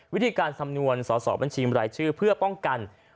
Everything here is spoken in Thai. วิธีการคำนวณสอสอบัญชีบรายชื่อเพื่อป้องกัน